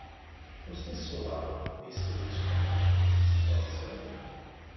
Lo stesso Varo, vistosi sconfitto, si tolse la vita.